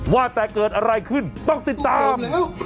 ว่าแต่เกิดอะไรขึ้นต้องติดตาม